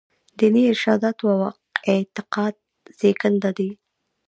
دیني ارشاداتو او اعتقاد زېږنده دي.